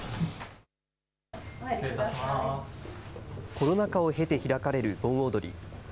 コロナ禍を経て開かれる盆踊り。